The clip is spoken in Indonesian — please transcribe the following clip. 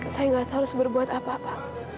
saya nggak tahu harus berbuat apa apa